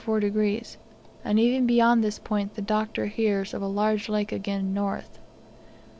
4 degrees; and even beyond this point the Doctor hears of a large lake again north.